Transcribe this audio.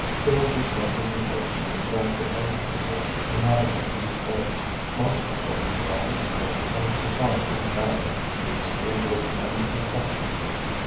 Still this representation of the character of the people, inhabiting these States, must from the chaotic state of society in America be received with many exceptions.